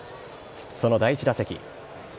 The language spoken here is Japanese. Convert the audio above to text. その第１打席。